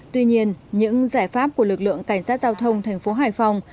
tuy nhiên những giải pháp của lực lượng cảnh sát giao thông tp hải phòng